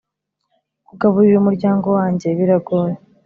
kugaburira umuryango wanjye biragoye